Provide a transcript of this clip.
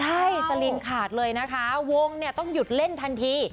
ใช่สลิงขาดเลยนะคะวงเนี่ยต้องหยุดเล่นทันที